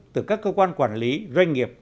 từ các cơ quan quản lý doanh nghiệp